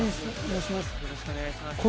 よろしくお願いします。